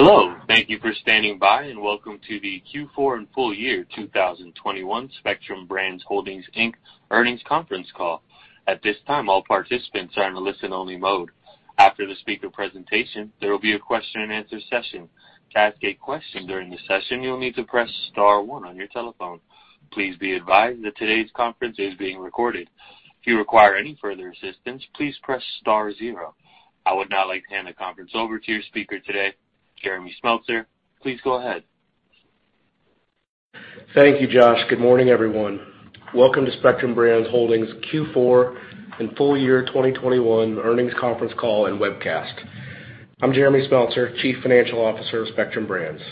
Hello, thank you for standing by, and welcome to the Q4 and full year 2021 Spectrum Brands Holdings, Inc. earnings conference call. At this time, all participants are in a listen-only mode. After the speaker presentation, there will be a question-and-answer session. To ask a question during the session, you will need to press star one on your telephone. Please be advised that today's conference is being recorded. If you require any further assistance, please press star zero. I would now like to hand the conference over to your speaker today, Jeremy Smeltser. Please go ahead. Thank you, Josh. Good morning everyone. Welcome to Spectrum Brands Holdings Q4 and full year 2021 earnings conference call and webcast. I'm Jeremy Smeltser, Chief Financial Officer of Spectrum Brands.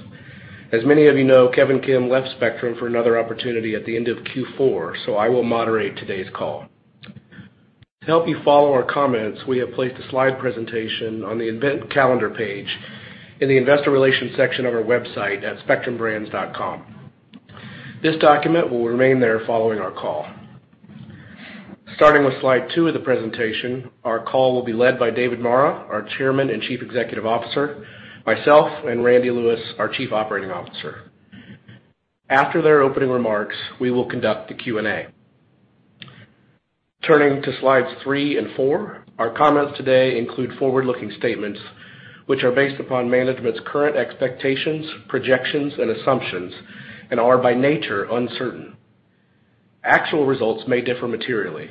As many of you know, Kevin Kim left Spectrum for another opportunity at the end of Q4, so I will moderate today's call. To help you follow our comments, we have placed a slide presentation on the event calendar page in the investor relations section of our website at spectrumbrands.com. This document will remain there following our call. Starting with slide 2 of the presentation, our call will be led by David Maura, our Chairman and Chief Executive Officer, myself, and Randy Lewis, our Chief Operating Officer. After their opening remarks, we will conduct the Q&A. Turning to slides three and four, our comments today include forward-looking statements which are based upon management's current expectations, projections, and assumptions and are, by nature, uncertain. Actual results may differ materially.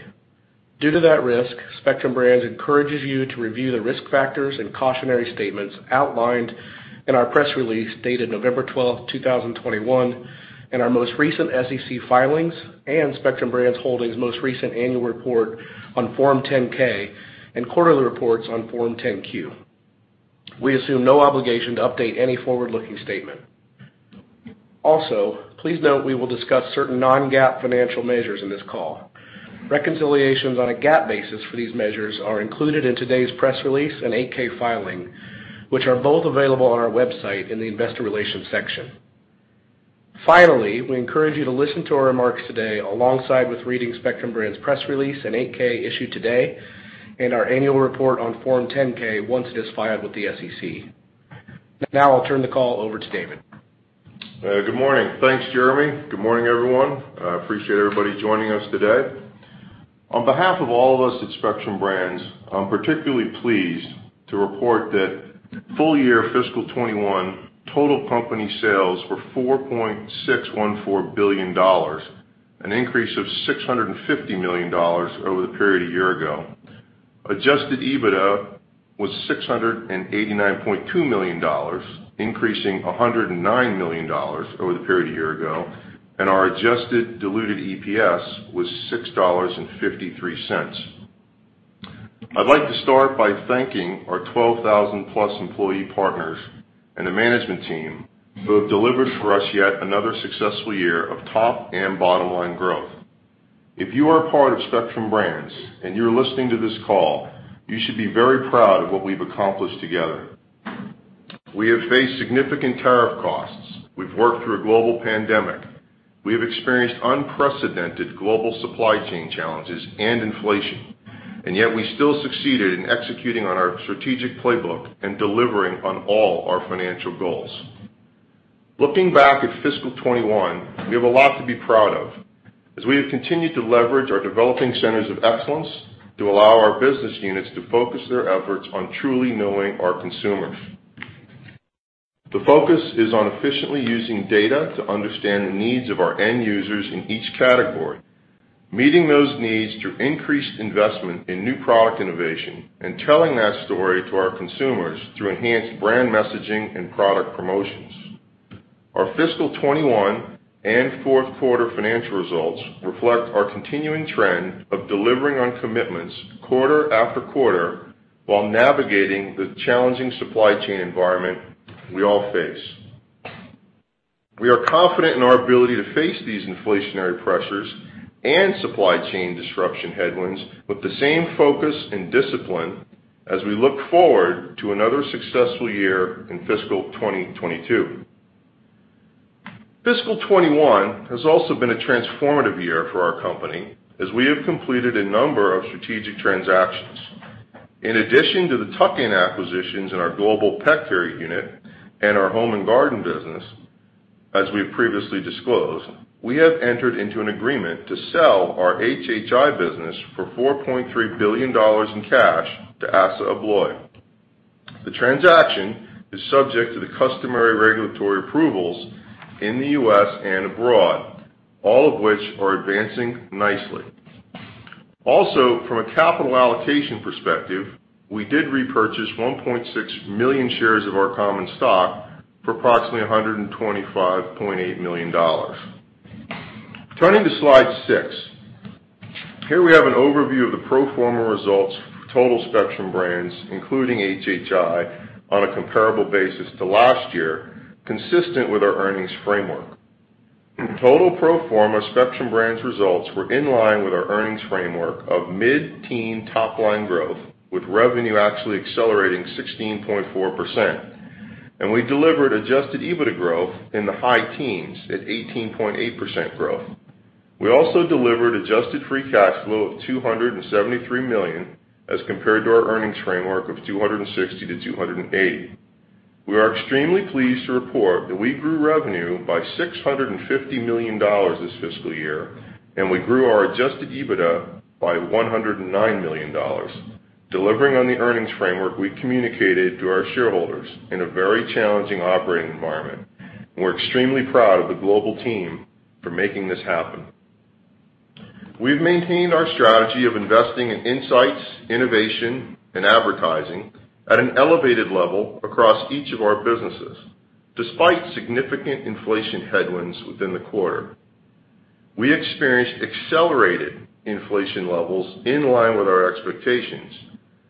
Due to that risk, Spectrum Brands encourages you to review the risk factors and cautionary statements outlined in our press release dated November 12th, 2021, and our most recent SEC filings and Spectrum Brands Holdings most recent annual report on Form 10-K and quarterly reports on Form 10-Q. We assume no obligation to update any forward-looking statement. Also, please note we will discuss certain non-GAAP financial measures in this call. Reconciliations on a GAAP basis for these measures are included in today's press release and Form 8-K filing, which are both available on our website in the investor relations section. Finally, we encourage you to listen to our remarks today, alongside with reading Spectrum Brands press release and 8-K issued today and our annual report on Form 10-K once it is filed with the SEC. Now I'll turn the call over to David. Good morning. Thanks, Jeremy. Good morning everyone. I appreciate everybody joining us today. On behalf of all of us at Spectrum Brands, I'm particularly pleased to report that full year fiscal 2021 total company sales were $4.614 billion, an increase of $650 million over the period a year ago. Adjusted EBITDA was $689.2 million, increasing $109 million over the period a year ago, and our adjusted diluted EPS was $6.53. I'd like to start by thanking our 12,000+ employee partners and the management team who have delivered for us yet another successful year of top and bottom-line growth. If you are a part of Spectrum Brands and you're listening to this call, you should be very proud of what we've accomplished together. We have faced significant tariff costs. We've worked through a global pandemic. We have experienced unprecedented global supply chain challenges and inflation, yet we still succeeded in executing on our strategic playbook and delivering on all our financial goals. Looking back at fiscal 2021, we have a lot to be proud of as we have continued to leverage our developing centers of excellence to allow our business units to focus their efforts on truly knowing our consumers. The focus is on efficiently using data to understand the needs of our end users in each category, meeting those needs through increased investment in new product innovation, and telling that story to our consumers through enhanced brand messaging and product promotions. Our fiscal 2021 and fourth quarter financial results reflect our continuing trend of delivering on commitments quarter after quarter while navigating the challenging supply chain environment we all face. We are confident in our ability to face these inflationary pressures and supply chain disruption headwinds with the same focus and discipline as we look forward to another successful year in fiscal 2022. Fiscal 2021 has also been a transformative year for our company as we have completed a number of strategic transactions. In addition to the tuck-in acquisitions in our Global Pet Care unit and our Home and Garden business, as we have previously disclosed, we have entered into an agreement to sell our HHI business for $4.3 billion in cash to ASSA ABLOY. The transaction is subject to the customary regulatory approvals in the U.S. and abroad, all of which are advancing nicely. Also, from a capital allocation perspective, we did repurchase 1.6 million shares of our common stock for approximately $125.8 million. Turning to slide six. Here we have an overview of the pro forma results for total Spectrum Brands, including HHI, on a comparable basis to last year, consistent with our earnings framework. Total pro forma Spectrum Brands results were in line with our earnings framework of mid-teen top-line growth, with revenue actually accelerating 16.4%. We delivered Adjusted EBITDA growth in the high teens at 18.8% growth. We also delivered adjusted free cash flow of $273 million as compared to our earnings framework of $260 million-$280 million. We are extremely pleased to report that we grew revenue by $650 million this fiscal year, and we grew our Adjusted EBITDA by $109 million, delivering on the earnings framework we communicated to our shareholders in a very challenging operating environment. We're extremely proud of the global team for making this happen. We've maintained our strategy of investing in insights, innovation and advertising at an elevated level across each of our businesses, despite significant inflation headwinds within the quarter. We experienced accelerated inflation levels in line with our expectations,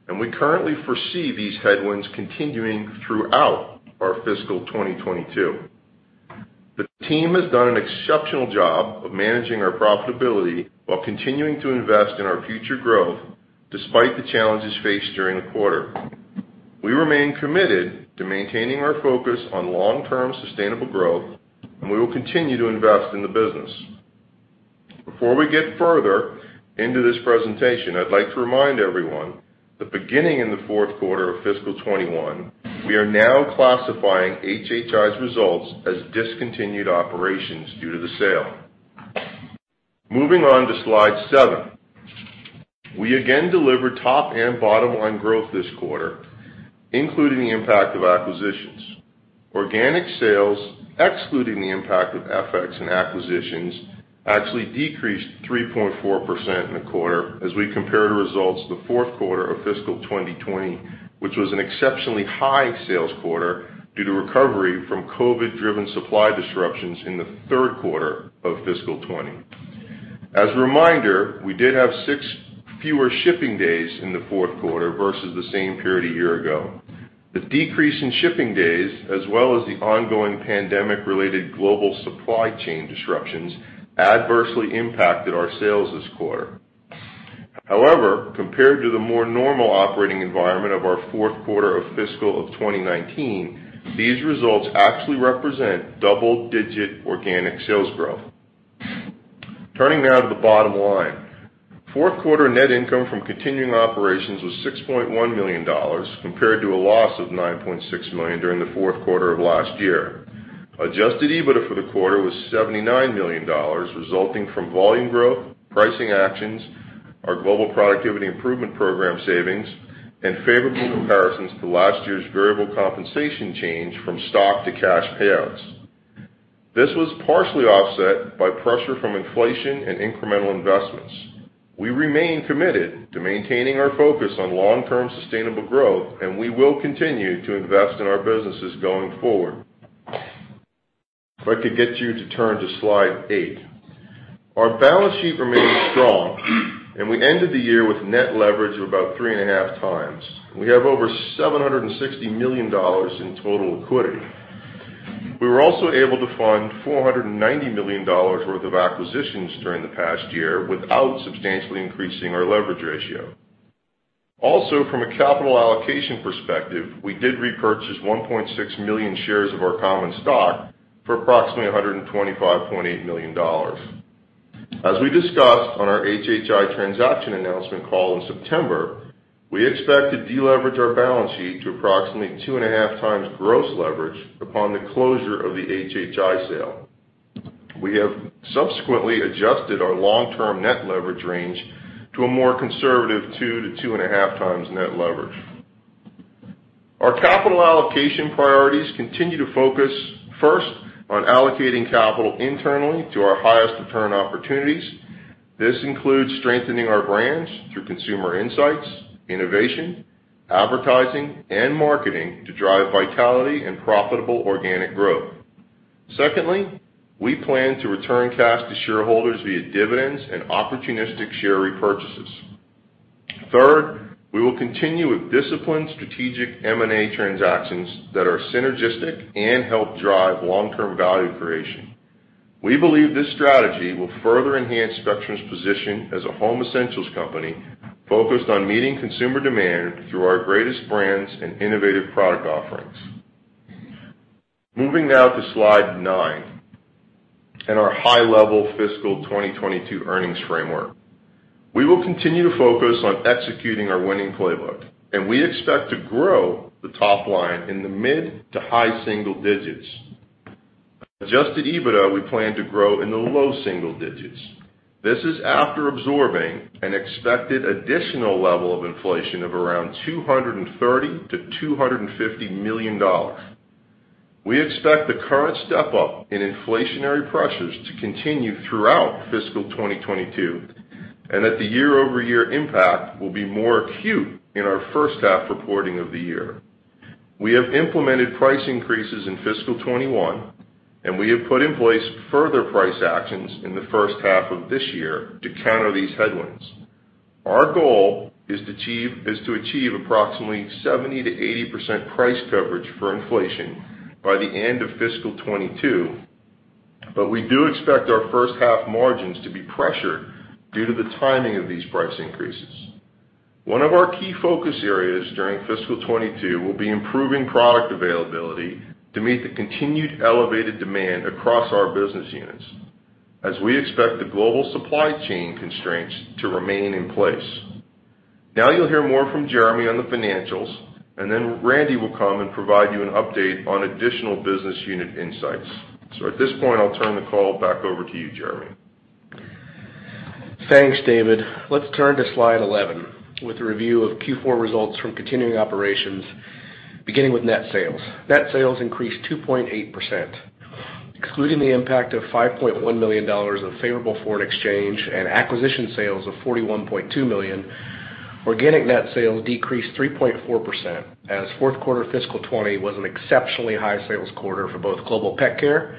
and we currently foresee these headwinds continuing throughout our fiscal 2022. The team has done an exceptional job of managing our profitability while continuing to invest in our future growth despite the challenges faced during the quarter. We remain committed to maintaining our focus on long-term sustainable growth, and we will continue to invest in the business. Before we get further into this presentation, I'd like to remind everyone that beginning in the fourth quarter of fiscal 2021, we are now classifying HHI's results as discontinued operations due to the sale. Moving on to slide seven. We again delivered top and bottom line growth this quarter, including the impact of acquisitions. Organic sales, excluding the impact of FX and acquisitions, actually decreased 3.4% in the quarter as we compare the results to the fourth quarter of fiscal 2020, which was an exceptionally high sales quarter due to recovery from COVID-driven supply disruptions in the third quarter of fiscal 2020. As a reminder, we did have six fewer shipping days in the fourth quarter versus the same period a year ago. The decrease in shipping days, as well as the ongoing pandemic-related global supply chain disruptions, adversely impacted our sales this quarter. However, compared to the more normal operating environment of our fourth quarter of fiscal 2019, these results actually represent double-digit organic sales growth. Turning now to the bottom line. Fourth quarter net income from continuing operations was $6.1 million compared to a loss of $9.6 million during the fourth quarter of last year. Adjusted EBITDA for the quarter was $79 million, resulting from volume growth, pricing actions, our Global Productivity Improvement Program savings, and favorable comparisons to last year's variable compensation change from stock to cash payouts. This was partially offset by pressure from inflation and incremental investments. We remain committed to maintaining our focus on long-term sustainable growth, and we will continue to invest in our businesses going forward. If I could get you to turn to slide eight. Our balance sheet remains strong, and we ended the year with net leverage of about 3.5x. We have over $760 million in total liquidity. We were also able to fund $490 million worth of acquisitions during the past year without substantially increasing our leverage ratio. Also, from a capital allocation perspective, we did repurchase 1.6 million shares of our common stock for approximately $125.8 million. As we discussed on our HHI transaction announcement call in September, we expect to deleverage our balance sheet to approximately 2.5x gross leverage upon the closure of the HHI sale. We have subsequently adjusted our long-term net leverage range to a more conservative 2-2.5x net leverage. Our capital allocation priorities continue to focus first on allocating capital internally to our highest return opportunities. This includes strengthening our brands through consumer insights, innovation, advertising, and marketing to drive vitality and profitable organic growth. Secondly, we plan to return cash to shareholders via dividends and opportunistic share repurchases. Third, we will continue with disciplined strategic M&A transactions that are synergistic and help drive long-term value creation. We believe this strategy will further enhance Spectrum's position as a home essentials company focused on meeting consumer demand through our greatest brands and innovative product offerings. Moving now to slide nine and our high-level fiscal 2022 earnings framework. We will continue to focus on executing our winning playbook, and we expect to grow the top line in the mid- to high-single digits. Adjusted EBITDA, we plan to grow in the low-single digits. This is after absorbing an expected additional level of inflation of around $230 million-$250 million. We expect the current step-up in inflationary pressures to continue throughout fiscal 2022 and that the year-over-year impact will be more acute in our H1 reporting of the year. We have implemented price increases in fiscal 2021, and we have put in place further price actions in the H1 of this year to counter these headwinds. Our goal is to achieve approximately 70%-80% price coverage for inflation by the end of fiscal 2022, but we do expect our H1 margins to be pressured due to the timing of these price increases. One of our key focus areas during fiscal 2022 will be improving product availability to meet the continued elevated demand across our business units as we expect the global supply chain constraints to remain in place. Now you'll hear more from Jeremy on the financials, and then Randy will come and provide you an update on additional business unit insights. At this point, I'll turn the call back over to you, Jeremy. Thanks, David. Let's turn to slide 11 with a review of Q4 results from continuing operations, beginning with net sales. Net sales increased 2.8%. Excluding the impact of $5.1 million of favorable foreign exchange and acquisition sales of $41.2 million, organic net sales decreased 3.4% as fourth quarter fiscal 2020 was an exceptionally high sales quarter for both Global Pet Care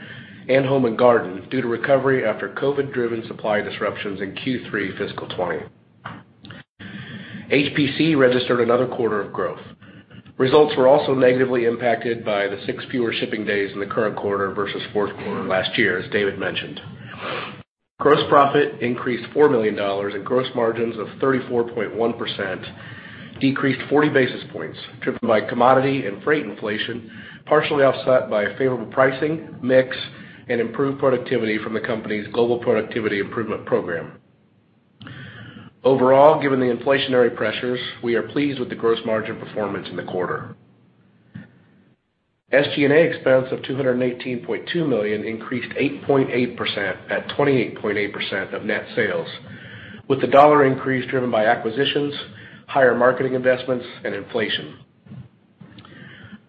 and Home and Garden due to recovery after COVID-driven supply disruptions in Q3 fiscal 2020. HPC registered another quarter of growth. Results were also negatively impacted by the six fewer shipping days in the current quarter versus fourth quarter last year, as David mentioned. Gross profit increased $4 million and gross margins of 34.1% decreased 40 basis points, driven by commodity and freight inflation, partially offset by favorable pricing, mix, and improved productivity from the company's Global Productivity Improvement Program. Overall, given the inflationary pressures, we are pleased with the gross margin performance in the quarter. SG&A expense of $218.2 million increased 8.8% at 28.8% of net sales, with the dollar increase driven by acquisitions, higher marketing investments, and inflation.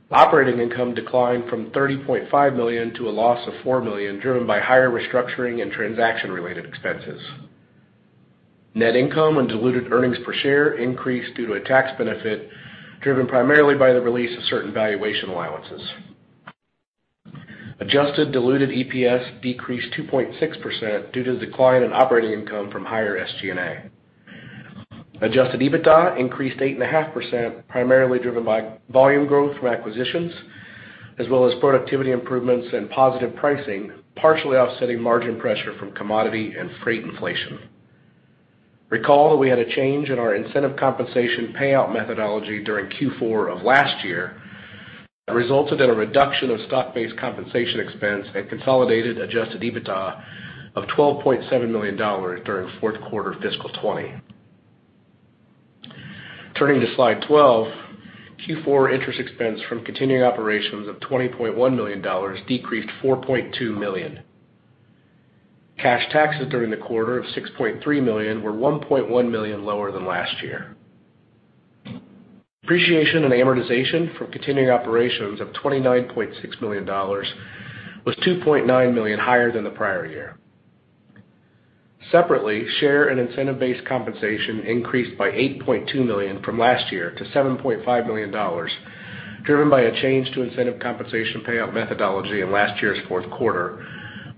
Operating income declined from $30.5 million to a loss of $4 million, driven by higher restructuring and transaction-related expenses. Net income and diluted earnings per share increased due to a tax benefit driven primarily by the release of certain valuation allowances. Adjusted diluted EPS decreased 2.6% due to the decline in operating income from higher SG&A. Adjusted EBITDA increased 8.5%, primarily driven by volume growth from acquisitions as well as productivity improvements and positive pricing, partially offsetting margin pressure from commodity and freight inflation. Recall that we had a change in our incentive compensation payout methodology during Q4 of last year that resulted in a reduction of stock-based compensation expense and consolidated Adjusted EBITDA of $12.7 million during fourth quarter fiscal 2020. Turning to slide 12, Q4 interest expense from continuing operations of $20.1 million decreased $4.2 million. Cash taxes during the quarter of $6.3 million were $1.1 million lower than last year. Depreciation and amortization from continuing operations of $29.6 million was $2.9 million higher than the prior year. Separately, share and incentive-based compensation increased by $8.2 million from last year to $7.5 million, driven by a change to incentive compensation payout methodology in last year's fourth quarter,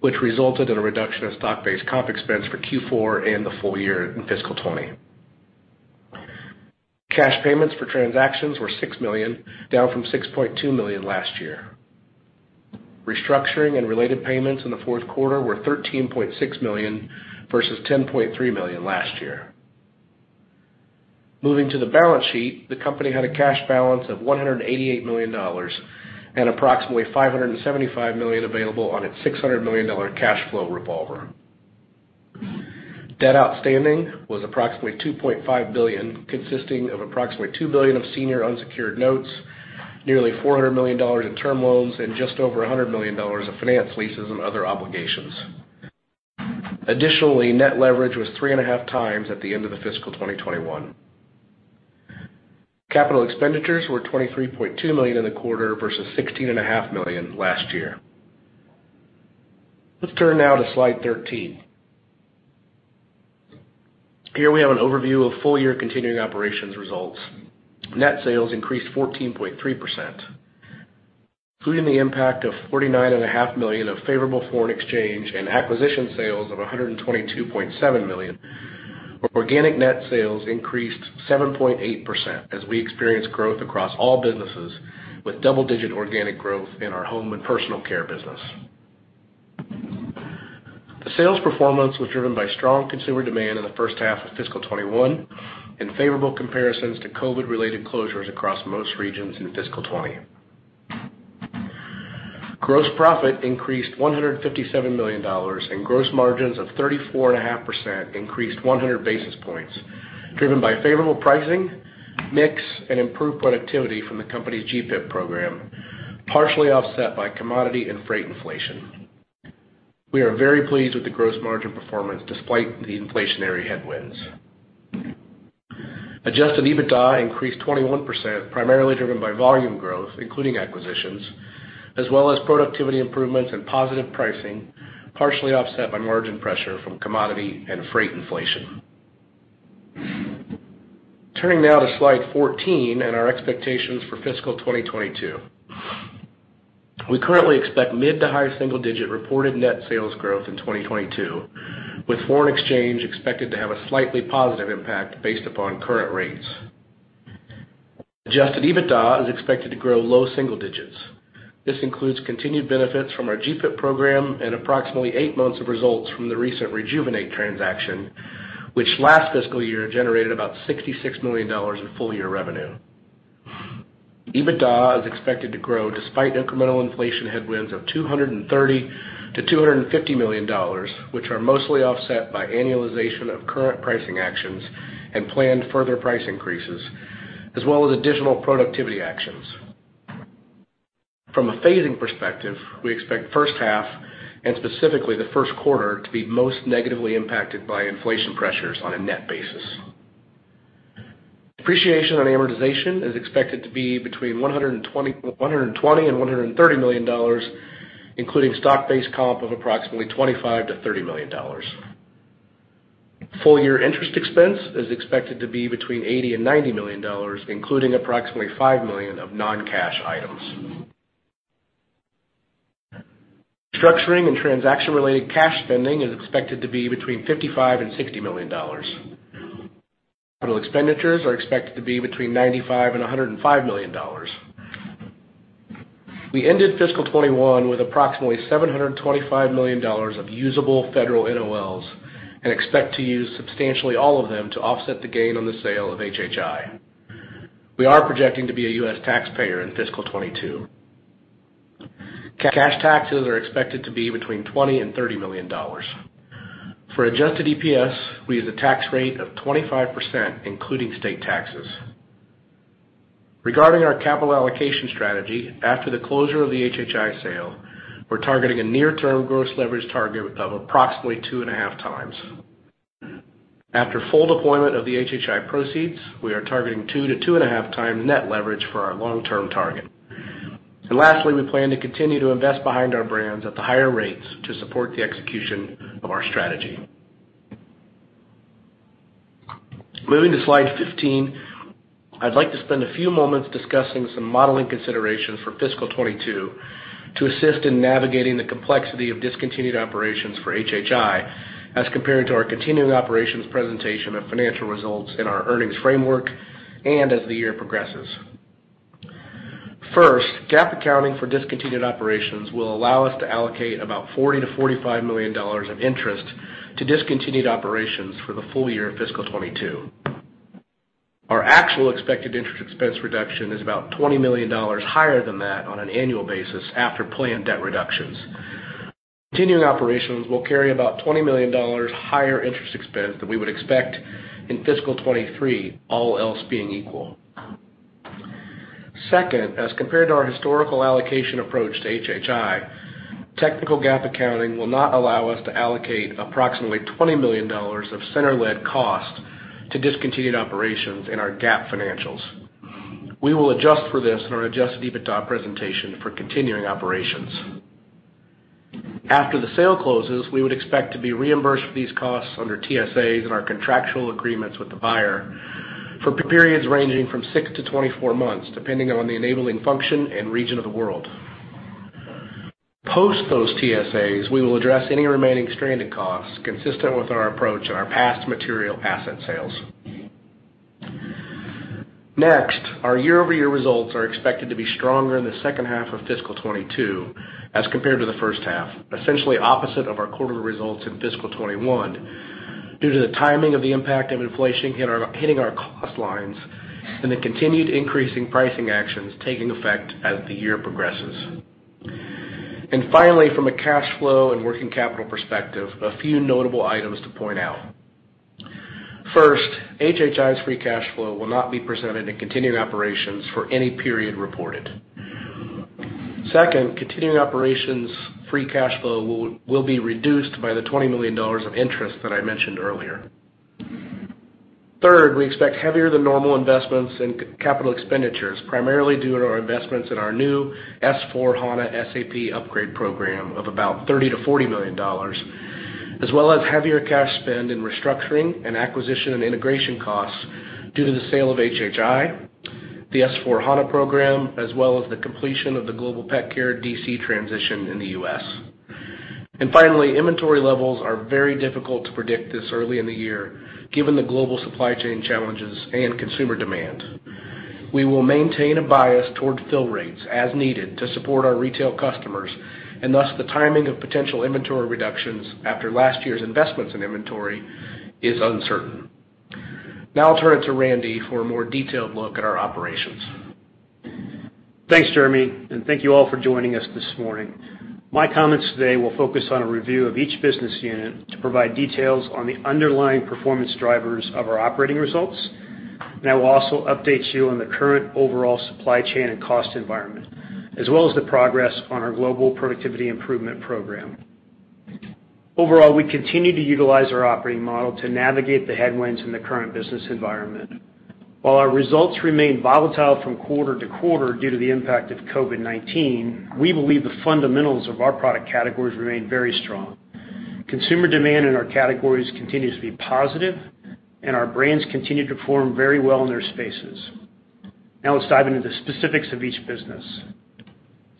which resulted in a reduction of stock-based comp expense for Q4 and the full year in fiscal 2020. Cash payments for transactions were $6 million, down from $6.2 million last year. Restructuring and related payments in the fourth quarter were $13.6 million versus $10.3 million last year. Moving to the balance sheet, the company had a cash balance of $188 million and approximately $575 million available on its $600 million cash flow revolver. Debt outstanding was approximately $2.5 billion, consisting of approximately $2 billion of senior unsecured notes, nearly $400 million in term loans, and just over $100 million of finance leases and other obligations. Net leverage was 3.5x times at the end of fiscal 2021. Capital expenditures were $23.2 million in the quarter versus $16.5 million last year. Let's turn now to slide 13. Here we have an overview of full-year continuing operations results. Net sales increased 14.3%, including the impact of $49.5 million of favorable foreign exchange and acquisition sales of $122.7 million. Organic net sales increased 7.8% as we experienced growth across all businesses with double-digit organic growth in our Home and Personal Care business. The sales performance was driven by strong consumer demand in the H1 of fiscal 2021 and favorable comparisons to COVID-related closures across most regions in fiscal 2020. Gross profit increased $157 million, and gross margins of 34.5% increased 100 basis points, driven by favorable pricing, mix, and improved productivity from the company's GPIP program, partially offset by commodity and freight inflation. We are very pleased with the gross margin performance despite the inflationary headwinds. Adjusted EBITDA increased 21%, primarily driven by volume growth, including acquisitions, as well as productivity improvements and positive pricing, partially offset by margin pressure from commodity and freight inflation. Turning now to slide 14 and our expectations for fiscal 2022. We currently expect mid to high-single-digit reported net sales growth in 2022, with foreign exchange expected to have a slightly positive impact based upon current rates. Adjusted EBITDA is expected to grow low-single-digits. This includes continued benefits from our GPIP program and approximately eight months of results from the recent Rejuvenate transaction, which last fiscal year generated about $66 million in full year revenue. EBITDA is expected to grow despite incremental inflation headwinds of $230 million-$250 million, which are mostly offset by annualization of current pricing actions and planned further price increases, as well as additional productivity actions. From a phasing perspective, we expect H1 and specifically the first quarter, to be most negatively impacted by inflation pressures on a net basis. Depreciation and amortization is expected to be between $120 million-$130 million, including stock-based comp of approximately $25 million-$30 million. Full year interest expense is expected to be between $80 million-$90 million, including approximately $5 million of non-cash items. Structuring and transaction-related cash spending is expected to be between $55 million-$60 million. Total expenditures are expected to be between $95 million-$105 million. We ended fiscal 2021 with approximately $725 million of usable federal NOLs, and expect to use substantially all of them to offset the gain on the sale of HHI. We are projecting to be a U.S. taxpayer in fiscal 2022. Cash taxes are expected to be between $20 million-$30 million. For Adjusted EPS, we use a tax rate of 25%, including state taxes. Regarding our capital allocation strategy, after the closure of the HHI sale, we're targeting a near term gross leverage target of approximately 2.5x. After full deployment of the HHI proceeds, we are targeting 2-2.5x net leverage for our long-term target. Lastly, we plan to continue to invest behind our brands at the higher rates to support the execution of our strategy. Moving to slide 15, I'd like to spend a few moments discussing some modeling considerations for fiscal 2022 to assist in navigating the complexity of discontinued operations for HHI as compared to our continuing operations presentation of financial results in our earnings framework and as the year progresses. First, GAAP accounting for discontinued operations will allow us to allocate about $40 million-$45 million of interest to discontinued operations for the full year of fiscal 2022. Our actual expected interest expense reduction is about $20 million higher than that on an annual basis after planned debt reductions. Continuing operations will carry about $20 million higher interest expense than we would expect in fiscal 2023, all else being equal. Second, as compared to our historical allocation approach to HHI, technical GAAP accounting will not allow us to allocate approximately $20 million of center-led costs to discontinued operations in our GAAP financials. We will adjust for this in our Adjusted EBITDA presentation for continuing operations. After the sale closes, we would expect to be reimbursed for these costs under TSAs and our contractual agreements with the buyer for periods ranging from siz to 24 months, depending on the enabling function and region of the world. Post those TSAs, we will address any remaining stranded costs consistent with our approach in our past material asset sales. Next, our year-over-year results are expected to be stronger in the H2 of fiscal 2022 as compared to the H1, essentially opposite of our quarterly results in fiscal 2021 due to the timing of the impact of inflation hitting our cost lines and the continued increasing pricing actions taking effect as the year progresses. Finally, from a cash flow and working capital perspective, a few notable items to point out. First, HHI's free cash flow will not be presented in continuing operations for any period reported. Second, continuing operations' free cash flow will be reduced by the $20 million of interest that I mentioned earlier. Third, we expect heavier than normal investments in capital expenditures, primarily due to our investments in our new S/4HANA SAP upgrade program of about $30-$40 million, as well as heavier cash spend in restructuring and acquisition and integration costs due to the sale of HHI, the S/4HANA program, as well as the completion of the Global Pet Care DC transition in the U.S. Finally, inventory levels are very difficult to predict this early in the year, given the global supply chain challenges and consumer demand. We will maintain a bias toward fill rates as needed to support our retail customers, and thus, the timing of potential inventory reductions after last year's investments in inventory is uncertain. Now I'll turn it over to Randy for a more detailed look at our operations. Thanks Jeremy and thank you all for joining us this morning. My comments today will focus on a review of each business unit to provide details on the underlying performance drivers of our operating results, and I will also update you on the current overall supply chain and cost environment, as well as the progress on our Global Productivity Improvement Program. Overall, we continue to utilize our operating model to navigate the headwinds in the current business environment. While our results remain volatile from quarter to quarter due to the impact of COVID-19, we believe the fundamentals of our product categories remain very strong. Consumer demand in our categories continues to be positive, and our brands continue to perform very well in their spaces. Now let's dive into the specifics of each business.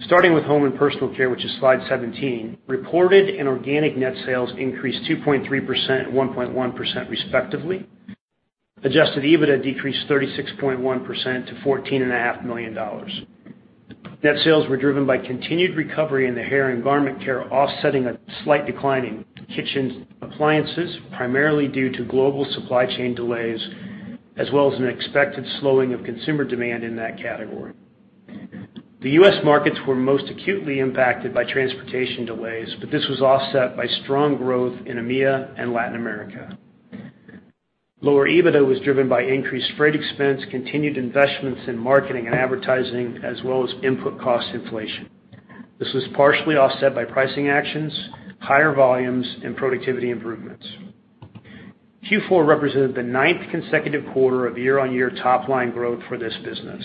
Starting with Home and Personal Care, which is slide 17, reported and organic net sales increased 2.3% and 1.1% respectively. Adjusted EBITDA decreased 36.1% to $14.5 million. Net sales were driven by continued recovery in the hair and garment care, offsetting a slight decline in kitchen appliances, primarily due to global supply chain delays, as well as an expected slowing of consumer demand in that category. The U.S. markets were most acutely impacted by transportation delays, but this was offset by strong growth in EMEA and Latin America. Lower EBITDA was driven by increased freight expense, continued investments in marketing and advertising, as well as input cost inflation. This was partially offset by pricing actions, higher volumes and productivity improvements. Q4 represented the ninth consecutive quarter of year-on-year top line growth for this business.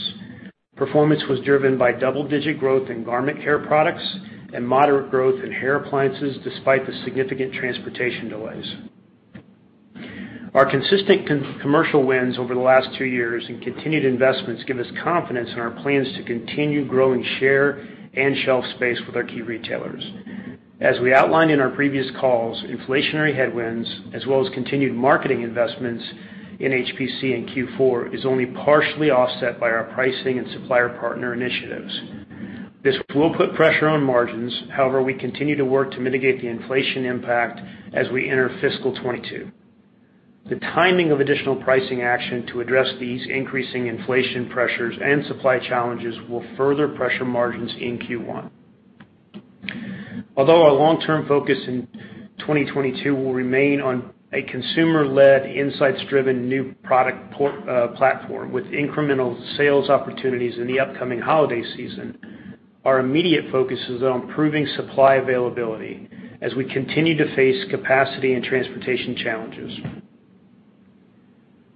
Performance was driven by double-digit growth in garment care products and moderate growth in hair appliances, despite the significant transportation delays. Our consistent commercial wins over the last two years and continued investments give us confidence in our plans to continue growing share and shelf space with our key retailers. As we outlined in our previous calls, inflationary headwinds as well as continued marketing investments in HPC in Q4 is only partially offset by our pricing and supplier partner initiatives. This will put pressure on margins, however, we continue to work to mitigate the inflation impact as we enter fiscal 2022. The timing of additional pricing action to address these increasing inflation pressures and supply challenges will further pressure margins in Q1. Although our long-term focus in 2022 will remain on a consumer-led, insights-driven new product platform with incremental sales opportunities in the upcoming holiday season, our immediate focus is on improving supply availability as we continue to face capacity and transportation challenges.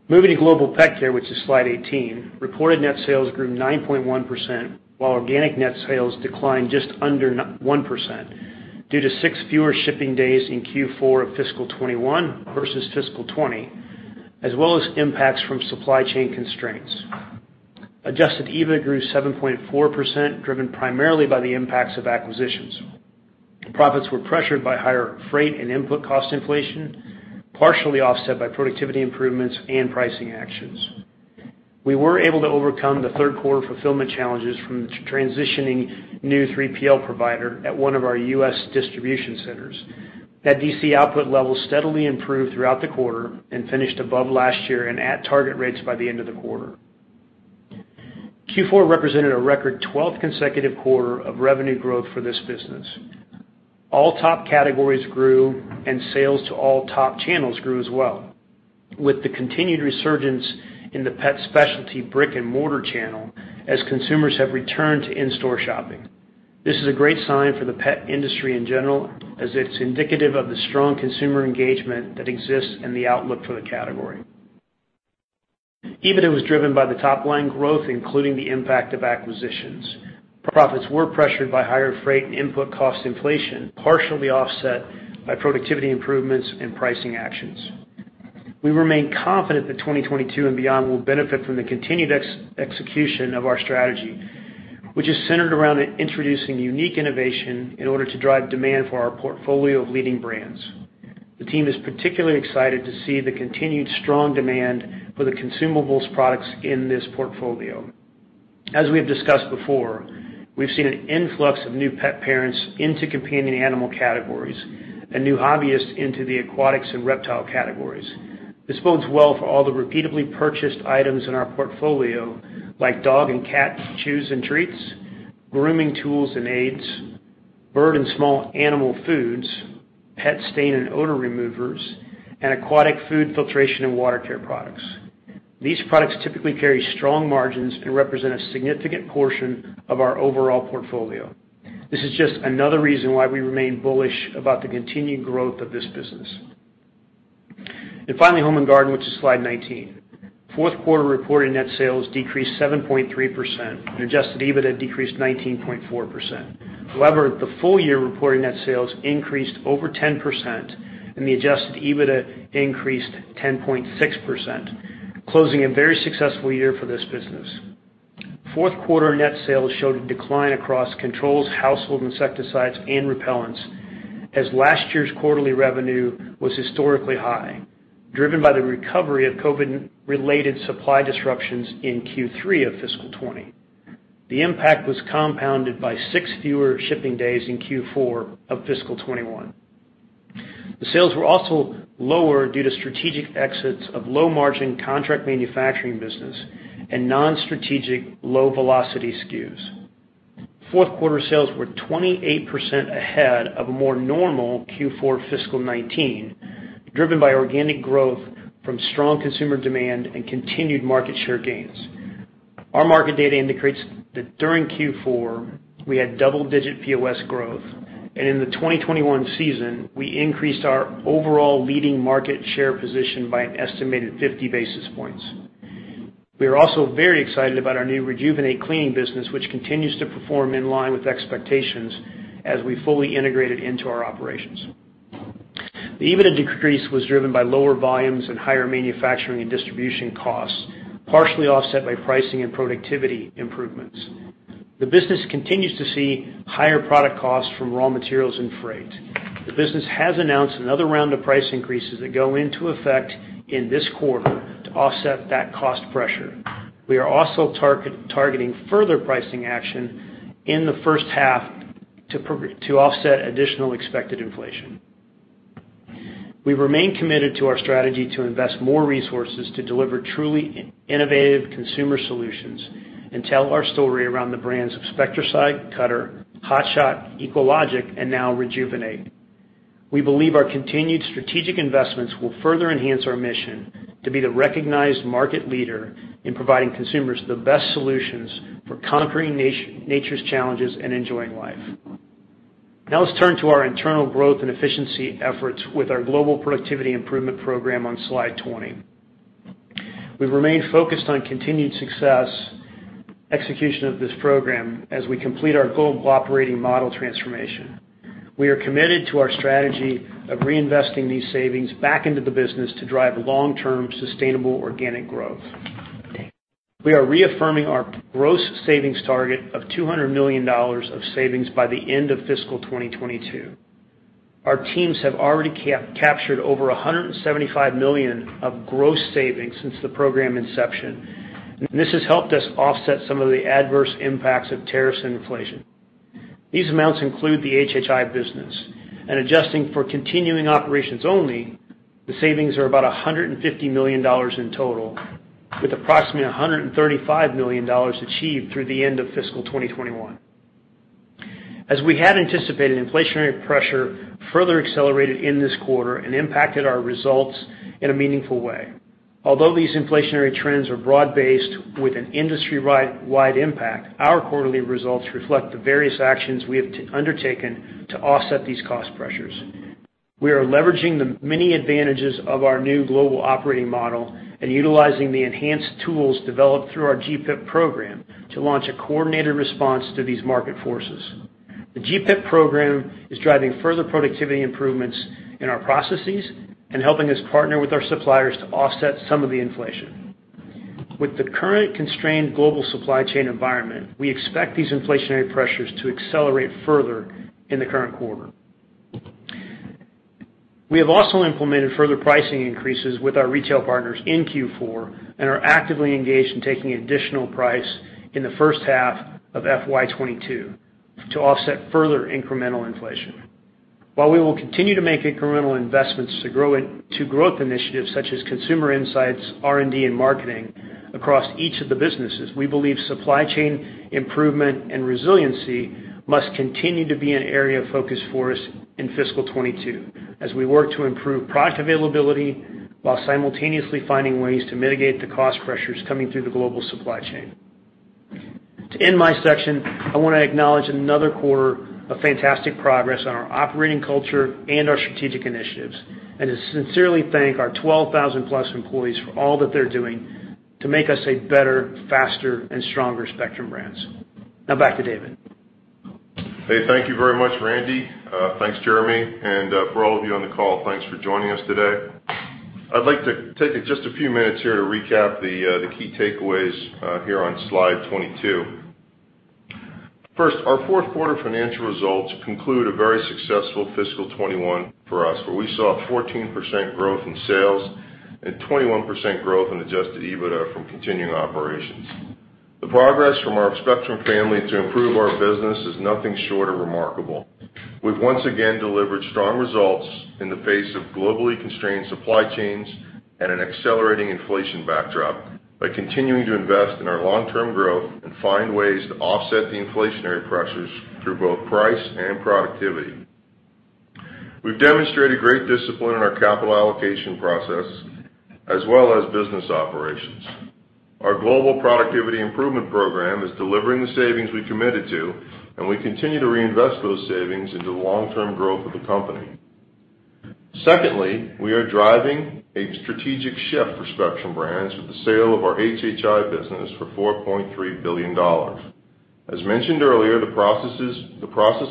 Moving to Global Pet Care, which is slide 18. Reported net sales grew 9.1%, while organic net sales declined just under 1% due to six fewer shipping days in Q4 of fiscal 2021 versus fiscal 2020, as well as impacts from supply chain constraints. Adjusted EBIT grew 7.4%, driven primarily by the impacts of acquisitions. Profits were pressured by higher freight and input cost inflation, partially offset by productivity improvements and pricing actions. We were able to overcome the third quarter fulfillment challenges from transitioning new 3PL provider at one of our U.S. distribution centers. The DC output levels steadily improved throughout the quarter and finished above last year and at target rates by the end of the quarter. Q4 represented a record 12th consecutive quarter of revenue growth for this business. All top categories grew and sales to all top channels grew as well, with the continued resurgence in the pet specialty brick-and-mortar channel as consumers have returned to in-store shopping. This is a great sign for the pet industry in general, as it's indicative of the strong consumer engagement that exists and the outlook for the category. EBITDA was driven by the top-line growth, including the impact of acquisitions. Profits were pressured by higher freight and input cost inflation, partially offset by productivity improvements and pricing actions. We remain confident that 2022 and beyond will benefit from the continued execution of our strategy, which is centered around introducing unique innovation in order to drive demand for our portfolio of leading brands. The team is particularly excited to see the continued strong demand for the consumables products in this portfolio. As we have discussed before, we've seen an influx of new pet parents into companion animal categories and new hobbyists into the aquatics and reptile categories. This bodes well for all the repeatably purchased items in our portfolio, like dog and cat chews and treats, grooming tools and aids, bird and small animal foods, pet stain and odor removers, and aquatic food filtration and water care products. These products typically carry strong margins and represent a significant portion of our overall portfolio. This is just another reason why we remain bullish about the continued growth of this business. Finally, Home and Garden, which is slide 19. Fourth quarter reported net sales decreased 7.3% and Adjusted EBITDA decreased 19.4%. However, the full year reported net sales increased over 10% and the Adjusted EBITDA increased 10.6%, closing a very successful year for this business. Fourth quarter net sales showed a decline across controls, household insecticides and repellents, as last year's quarterly revenue was historically high, driven by the recovery of COVID-related supply disruptions in Q3 of fiscal 2020. The impact was compounded by six fewer shipping days in Q4 of fiscal 2021. The sales were also lower due to strategic exits of low-margin contract manufacturing business and non-strategic low velocity SKUs. Fourth quarter sales were 28% ahead of a more normal Q4 FY 2019, driven by organic growth from strong consumer demand and continued market share gains. Our market data indicates that during Q4, we had double-digit POS growth, and in the 2021 season, we increased our overall leading market share position by an estimated 50 basis points. We are also very excited about our new Rejuvenate cleaning business, which continues to perform in line with expectations as we fully integrate it into our operations. The EBITDA decrease was driven by lower volumes and higher manufacturing and distribution costs, partially offset by pricing and productivity improvements. The business continues to see higher product costs from raw materials and freight. The business has announced another round of price increases that go into effect in this quarter to offset that cost pressure. We are also targeting further pricing action in the H1 to offset additional expected inflation. We remain committed to our strategy to invest more resources to deliver truly innovative consumer solutions and tell our story around the brands of Spectracide, Cutter, Hot Shot, EcoLogic, and now Rejuvenate. We believe our continued strategic investments will further enhance our mission to be the recognized market leader in providing consumers the best solutions for conquering nature's challenges and enjoying life. Now let's turn to our internal growth and efficiency efforts with our Global Productivity Improvement Program on slide 20. We've remained focused on continued success, execution of this program as we complete our global operating model transformation. We are committed to our strategy of reinvesting these savings back into the business to drive long-term, sustainable organic growth. We are reaffirming our gross savings target of $200 million of savings by the end of fiscal 2022. Our teams have already captured over 175 million of gross savings since the program inception. This has helped us offset some of the adverse impacts of tariffs and inflation. These amounts include the HHI business. Adjusting for continuing operations only, the savings are about $150 million in total, with approximately $135 million achieved through the end of fiscal 2021. As we had anticipated, inflationary pressure further accelerated in this quarter and impacted our results in a meaningful way. Although these inflationary trends are broad-based with an industry-wide, wide impact, our quarterly results reflect the various actions we have undertaken to offset these cost pressures. We are leveraging the many advantages of our new global operating model and utilizing the enhanced tools developed through our GPIP program to launch a coordinated response to these market forces. The GPIP program is driving further productivity improvements in our processes and helping us partner with our suppliers to offset some of the inflation. With the current constrained global supply chain environment, we expect these inflationary pressures to accelerate further in the current quarter. We have also implemented further pricing increases with our retail partners in Q4 and are actively engaged in taking additional price in the H1 of FY 2022 to offset further incremental inflation. While we will continue to make incremental investments to growth initiatives such as consumer insights, R&D, and marketing across each of the businesses, we believe supply chain improvement and resiliency must continue to be an area of focus for us in fiscal 2022 as we work to improve product availability while simultaneously finding ways to mitigate the cost pressures coming through the global supply chain. To end my section, I wanna acknowledge another quarter of fantastic progress on our operating culture and our strategic initiatives, and to sincerely thank our 12,000+ employees for all that they're doing to make us a better, faster, and stronger Spectrum Brands. Now back to David. Hey, thank you very much, Randy. Thanks, Jeremy. For all of you on the call, thanks for joining us today. I'd like to take just a few minutes here to recap the key takeaways here on slide 22. First, our fourth quarter financial results conclude a very successful fiscal 2021 for us, where we saw a 14% growth in sales and 21% growth in Adjusted EBITDA from continuing operations. The progress from our Spectrum family to improve our business is nothing short of remarkable. We've once again delivered strong results in the face of globally constrained supply chains and an accelerating inflation backdrop by continuing to invest in our long-term growth and find ways to offset the inflationary pressures through both price and productivity. We've demonstrated great discipline in our capital allocation process as well as business operations. Our global productivity improvement program is delivering the savings we committed to, and we continue to reinvest those savings into the long-term growth of the company. Secondly, we are driving a strategic shift for Spectrum Brands with the sale of our HHI business for $4.3 billion. As mentioned earlier, the process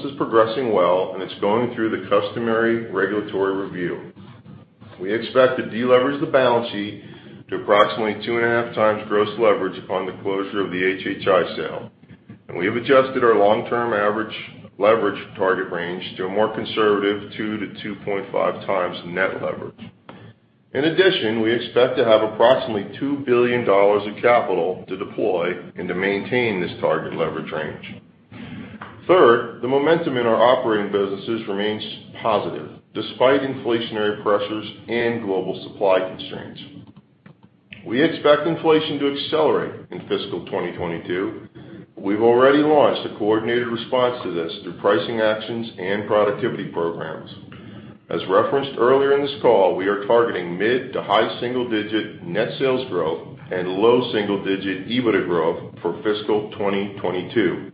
is progressing well, and it's going through the customary regulatory review. We expect to deleverage the balance sheet to approximately 2.5x gross leverage upon the closure of the HHI sale. We have adjusted our long-term average leverage target range to a more conservative 2-2.5x net leverage. In addition, we expect to have approximately $2 billion in capital to deploy and to maintain this target leverage range. Third, the momentum in our operating businesses remains positive despite inflationary pressures and global supply constraints. We expect inflation to accelerate in fiscal 2022. We've already launched a coordinated response to this through pricing actions and productivity programs. As referenced earlier in this call, we are targeting mid- to high-single-digit net sales growth and low-single-digit EBITDA growth for fiscal 2022.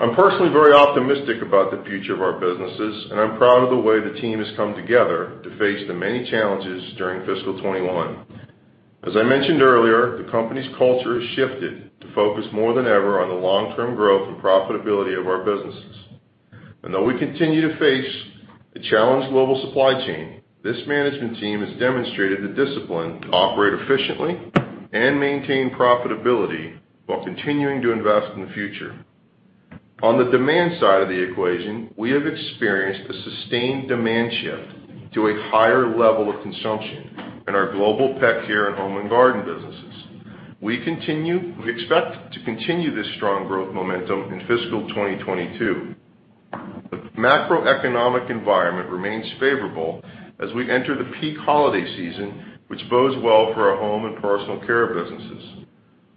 I'm personally very optimistic about the future of our businesses, and I'm proud of the way the team has come together to face the many challenges during fiscal 2021. As I mentioned earlier, the company's culture has shifted to focus more than ever on the long-term growth and profitability of our businesses. Though we continue to face a challenged global supply chain, this management team has demonstrated the discipline to operate efficiently and maintain profitability while continuing to invest in the future. On the demand side of the equation, we have experienced a sustained demand shift to a higher level of consumption in our Global Pet Care and Home and Garden businesses. We expect to continue this strong growth momentum in fiscal 2022. The macroeconomic environment remains favorable as we enter the peak holiday season, which bodes well for our Home & Personal Care businesses.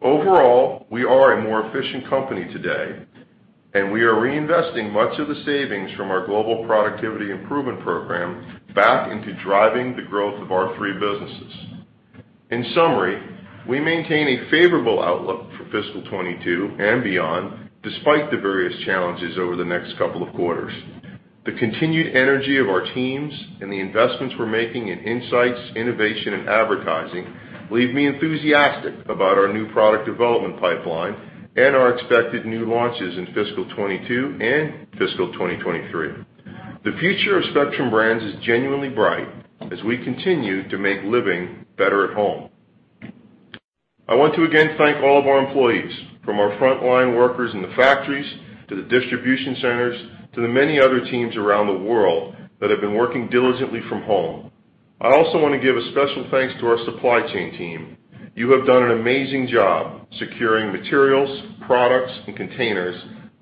Overall, we are a more efficient company today, and we are reinvesting much of the savings from our Global Productivity Improvement Program back into driving the growth of our three businesses. In summary, we maintain a favorable outlook for fiscal 2022 and beyond, despite the various challenges over the next couple of quarters. The continued energy of our teams and the investments we're making in insights, innovation, and advertising leave me enthusiastic about our new product development pipeline and our expected new launches in fiscal 2022 and fiscal 2023. The future of Spectrum Brands is genuinely bright as we continue to make living better at home. I want to again thank all of our employees, from our frontline workers in the factories, to the distribution centers, to the many other teams around the world that have been working diligently from home. I also want to give a special thanks to our supply chain team. You have done an amazing job securing materials, products, and containers,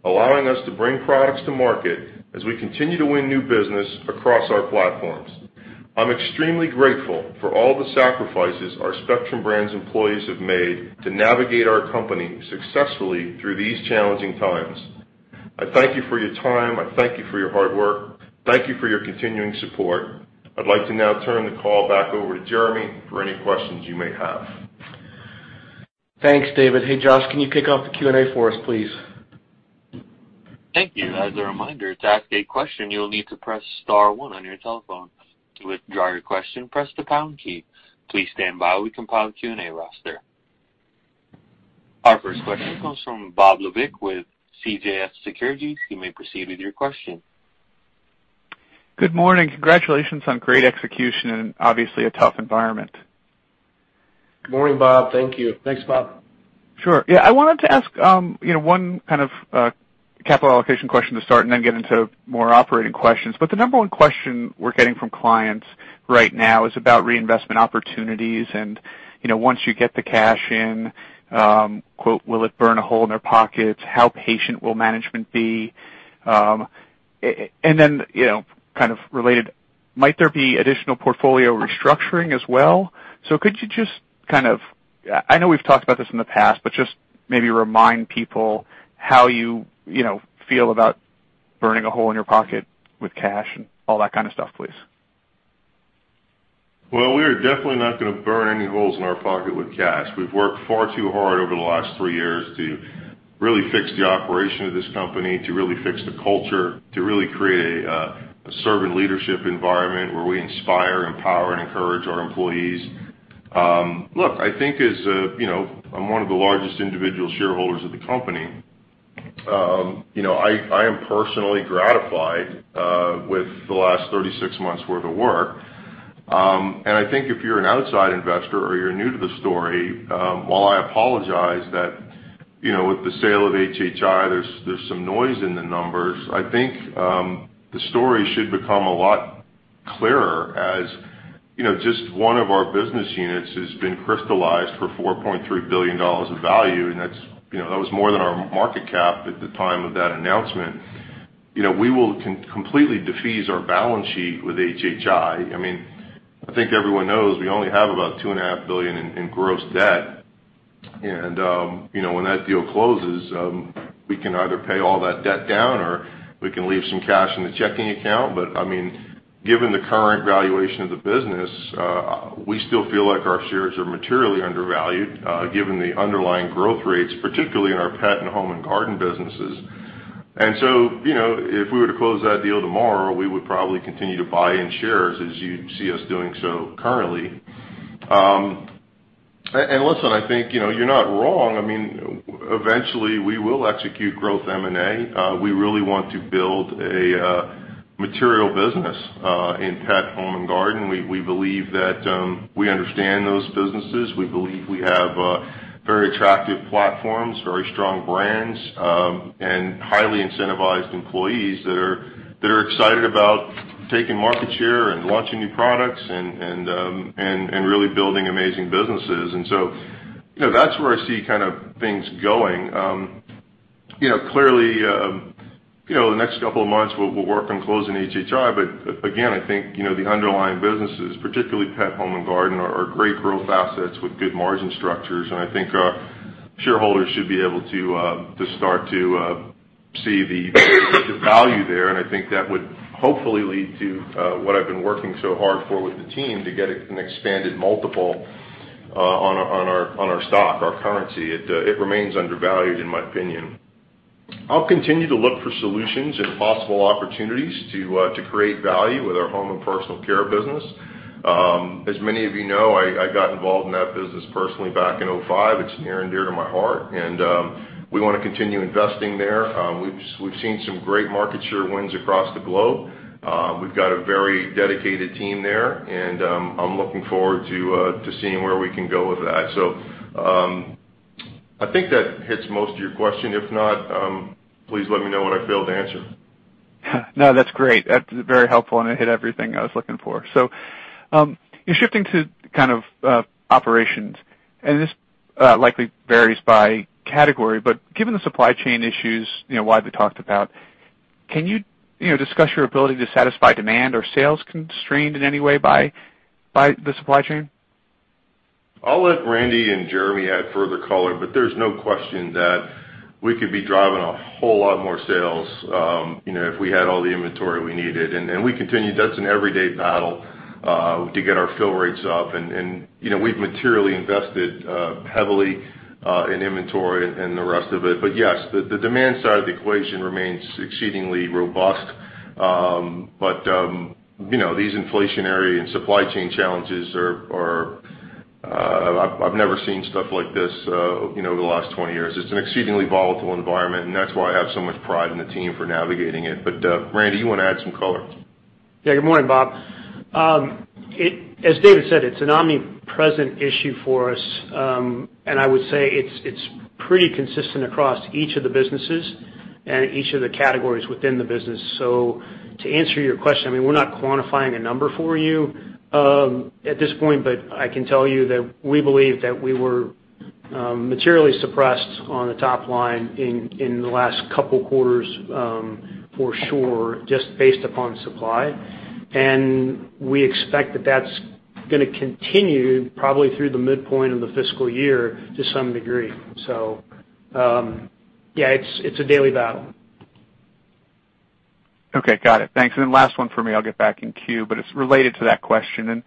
allowing us to bring products to market as we continue to win new business across our platforms. I'm extremely grateful for all the sacrifices our Spectrum Brands employees have made to navigate our company successfully through these challenging times. I thank you for your time. I thank you for your hard work. Thank you for your continuing support. I'd like to now turn the call back over to Jeremy for any questions you may have. Thanks, David. Hey, Josh, can you kick off the Q&A for us, please? Thank you. As a reminder, to ask a question, you'll need to press star one on your telephone. To withdraw your question, press the pound key. Please stand by while we compile the Q&A roster. Our first question comes from Bob Labick with CJS Securities. You may proceed with your question. Good morning. Congratulations on great execution in obviously a tough environment. Good morning, Bob. Thank you. Thanks, Bob. Sure. Yeah, I wanted to ask, you know, one kind of, capital allocation question to start and then get into more operating questions. The number one question we're getting from clients right now is about reinvestment opportunities and, you know, once you get the cash in, quote, "Will it burn a hole in their pockets? How patient will management be?" You know, kind of related, might there be additional portfolio restructuring as well? Could you just kind of, I know we've talked about this in the past, but just maybe remind people how you know, feel about burning a hole in your pocket with cash and all that kind of stuff, please. Well, we are definitely not gonna burn any holes in our pocket with cash. We've worked far too hard over the last three years to really fix the operation of this company, to really fix the culture, to really create a servant leadership environment where we inspire, empower, and encourage our employees. Look, I think as a, you know, I'm one of the largest individual shareholders of the company, you know, I am personally gratified with the last 36 months worth of work. I think if you're an outside investor or you're new to the story, while I apologize that, you know, with the sale of HHI, there's some noise in the numbers. I think the story should become a lot clearer as, you know, just one of our business units has been crystallized for $4.3 billion of value, and that's, you know, that was more than our market cap at the time of that announcement. You know, we will completely defease our balance sheet with HHI. I mean, I think everyone knows we only have about $2.5 billion in gross debt. You know, when that deal closes, we can either pay all that debt down or we can leave some cash in the checking account. I mean, given the current valuation of the business, we still feel like our shares are materially undervalued, given the underlying growth rates, particularly in our pet and home and garden businesses. You know, if we were to close that deal tomorrow, we would probably continue to buy in shares as you see us doing so currently. And listen, I think, you know, you're not wrong. I mean, eventually, we will execute growth M&A. We really want to build a material business in pet, home, and garden. We believe that we understand those businesses. We believe we have very attractive platforms, very strong brands, and highly incentivized employees that are excited about taking market share and launching new products and really building amazing businesses. You know, that's where I see kind of things going. You know, clearly, you know, the next couple of months, we'll work on closing HHI. Again, I think, you know, the underlying businesses, particularly Pet, Home and Garden, are great growth assets with good margin structures. I think our shareholders should be able to to start to see the value there, and I think that would hopefully lead to what I've been working so hard for with the team to get an expanded multiple on our stock, our currency. It remains undervalued in my opinion. I'll continue to look for solutions and possible opportunities to create value with our Home and Personal Care business. As many of you know, I got involved in that business personally back in 2005. It's near and dear to my heart, and we wanna continue investing there. We've seen some great market share wins across the globe. We've got a very dedicated team there, and I'm looking forward to seeing where we can go with that. I think that hits most of your question. If not, please let me know what I failed to answer. No, that's great. That's very helpful, and it hit everything I was looking for. In shifting to kind of operations, and this likely varies by category, but given the supply chain issues, you know, widely talked about, can you know, discuss your ability to satisfy demand or sales constrained in any way by the supply chain? I'll let Randy and Jeremy add further color, but there's no question that we could be driving a whole lot more sales, you know, if we had all the inventory we needed. We continue. That's an everyday battle to get our fill rates up. You know, we've materially invested heavily in inventory and the rest of it. Yes, the demand side of the equation remains exceedingly robust. You know, these inflationary and supply chain challenges are. I've never seen stuff like this, you know, over the last 20 years. It's an exceedingly volatile environment, and that's why I have so much pride in the team for navigating it. Randy, you wanna add some color? Yeah. Good morning, Bob. As David said, it's an omnipresent issue for us. I would say it's pretty consistent across each of the businesses and each of the categories within the business. To answer your question, I mean, we're not quantifying a number for you at this point, but I can tell you that we believe that we were materially suppressed on the top line in the last couple quarters for sure, just based upon supply. We expect that that's gonna continue probably through the midpoint of the fiscal year to some degree. Yeah, it's a daily battle. Okay. Got it. Thanks. Last one for me, I'll get back in queue, but it's related to that question.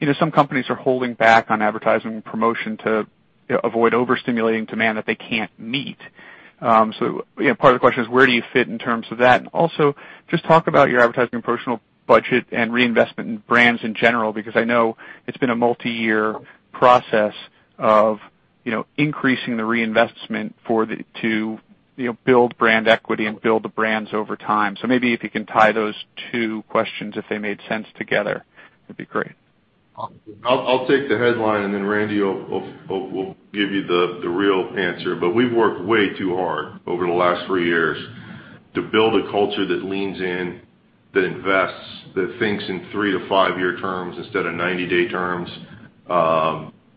You know, some companies are holding back on advertising and promotion to, you know, avoid overstimulating demand that they can't meet. You know, part of the question is where do you fit in terms of that? Also just talk about your advertising and promotional budget and reinvestment in brands in general, because I know it's been a multi-year process of, you know, increasing the reinvestment to, you know, build brand equity and build the brands over time. Maybe if you can tie those two questions if they made sense together, that'd be great. I'll take the headline and then Randy will give you the real answer. We've worked way too hard over the last three years to build a culture that leans in, that invests, that thinks in three to five-year terms instead of 90-day terms.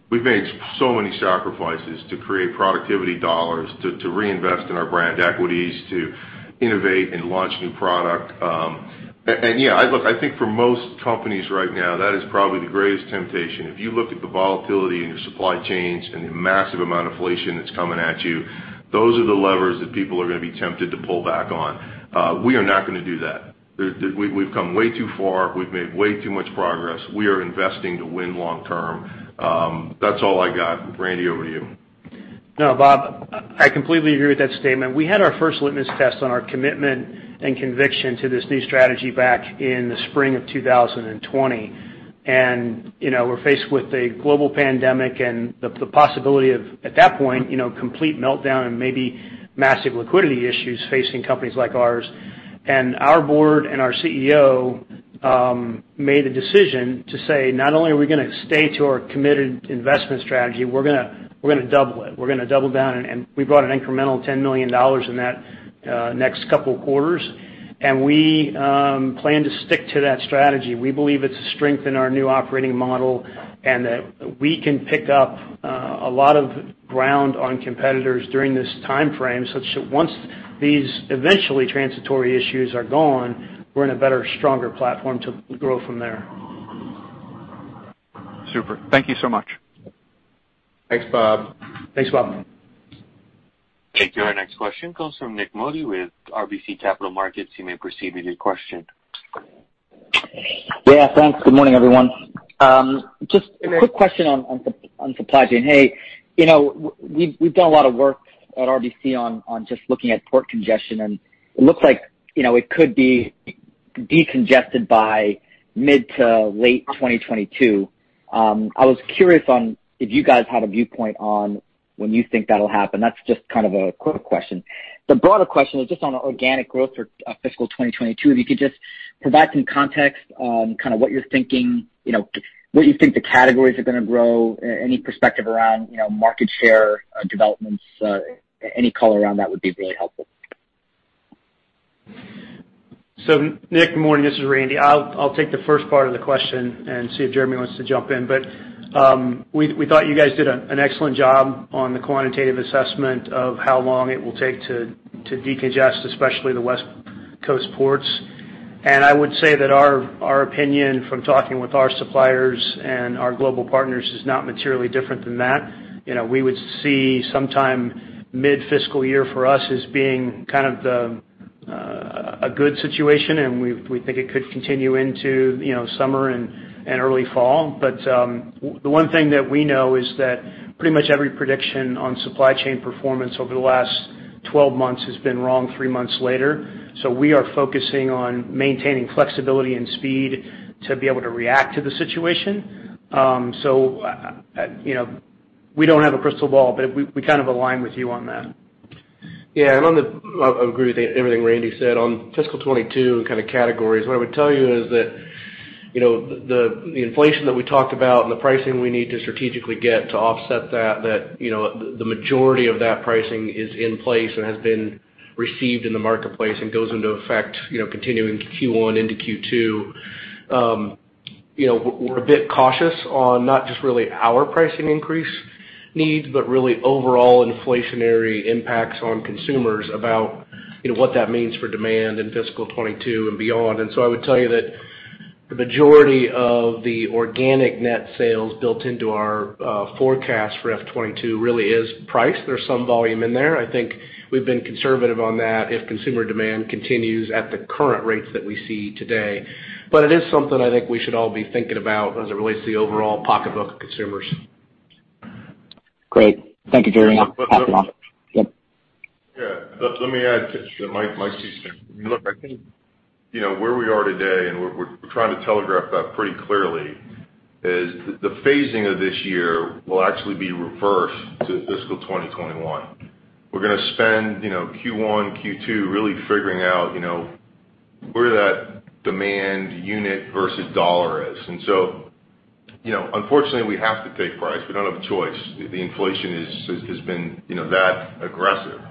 We've made so many sacrifices to create productivity dollars to reinvest in our brand equities, to innovate and launch new product. Yeah, look, I think for most companies right now that is probably the greatest temptation. If you looked at the volatility in your supply chains and the massive amount of inflation that's coming at you, those are the levers that people are gonna be tempted to pull back on. We are not gonna do that. We've come way too far. We've made way too much progress. We are investing to win long term. That's all I got. Randy, over to you. No, Bob, I completely agree with that statement. We had our first litmus test on our commitment and conviction to this new strategy back in the spring of 2020. You know, we're faced with a global pandemic and the possibility of, at that point, you know, complete meltdown and maybe massive liquidity issues facing companies like ours. Our board and our CEO made the decision to say not only are we gonna stick to our committed investment strategy, we're gonna double it. We're gonna double down, and we brought an incremental $10 million in that next couple quarters. We plan to stick to that strategy. We believe it's a strength in our new operating model and that we can pick up a lot of ground on competitors during this timeframe such that once these eventually transitory issues are gone, we're in a better, stronger platform to grow from there. Super. Thank you so much. Thanks, Bob. Thanks, Bob. Thank you. Our next question comes from Nik Modi with RBC Capital Markets. You may proceed with your question. Yeah. Thanks. Good morning everyone. Just a quick question on supply chain. You know, we've done a lot of work at RBC on just looking at port congestion, and it looks like, you know, it could be decongested by mid to late 2022. I was curious on if you guys have a viewpoint on when you think that'll happen. That's just kind of a quick question. The broader question is just on organic growth for fiscal 2022. If you could just provide some context on kind of what you're thinking, you know, what you think the categories are gonna grow, any perspective around, you know, market share, developments, any color around that would be really helpful. Nik, good morning. This is Randy. I'll take the first part of the question and see if Jeremy Smeltser wants to jump in. We thought you guys did an excellent job on the quantitative assessment of how long it will take to decongest especially the West Coast ports. I would say that our opinion from talking with our suppliers and our global partners is not materially different than that. You know, we would see sometime mid-fiscal year for us as being kind of a good situation, and we think it could continue into, you know, summer and early fall. The one thing that we know is that pretty much every prediction on supply chain performance over the last twelve months has been wrong three months later. We are focusing on maintaining flexibility and speed to be able to react to the situation. You know, we don't have a crystal ball, but we kind of align with you on that. Yeah. I agree with everything Randy said. On fiscal 2022 kind of categories, what I would tell you is that the inflation that we talked about and the pricing we need to strategically get to offset that the majority of that pricing is in place and has been received in the marketplace and goes into effect continuing Q1 into Q2. We're a bit cautious on not just really our pricing increase needs, but really overall inflationary impacts on consumers about what that means for demand in fiscal 2022 and beyond. I would tell you that the majority of the organic net sales built into our forecast for fiscal 2022 really is price. There's some volume in there. I think we've been conservative on that if consumer demand continues at the current rates that we see today. It is something I think we should all be thinking about as it relates to the overall pocketbook of consumers. Great. Thank you, Jeremy. But, but. I'll pass it off. Yep. Yeah. Let me add to Nik. Nik, teach me. Look, I think, you know, where we are today, and we're trying to telegraph that pretty clearly, is the phasing of this year will actually be reversed to fiscal 2021. We're gonna spend, you know, Q1, Q2 really figuring out, you know, where that demand unit versus dollar is. You know, unfortunately, we have to take price. We don't have a choice. The inflation is has been, you know, that aggressive.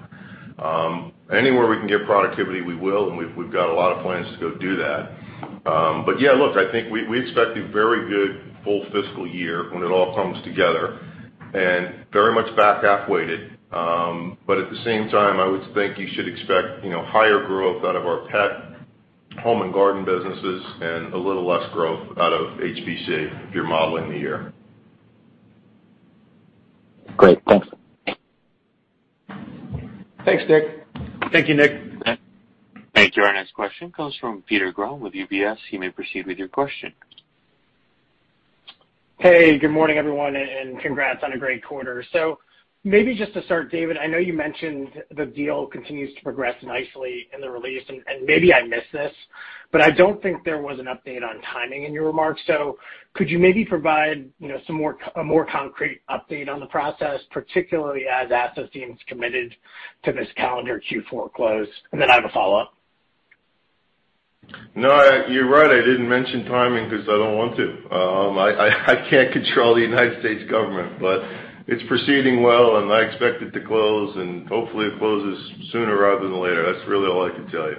Yeah, look, I think we expect a very good full fiscal year when it all comes together and very much back half-weighted. At the same time, I would think you should expect, you know, higher growth out of our pet home and garden businesses and a little less growth out of HPC if you're modeling the year. Great. Thanks. Thanks, Nick. Thank you, Nick. Thank you. Our next question comes from Peter Grom with UBS. You may proceed with your question. Hey, good morning, everyone, and congrats on a great quarter. Maybe just to start, David, I know you mentioned the deal continues to progress nicely in the release, and maybe I missed this, but I don't think there was an update on timing in your remarks. Could you maybe provide, you know, a more concrete update on the process, particularly as ASSA seems committed to this calendar Q4 close? Then I have a follow-up. No, you're right, I didn't mention timing because I don't want to. I can't control the United States government, but it's proceeding well, and I expect it to close, and hopefully it closes sooner rather than later. That's really all I can tell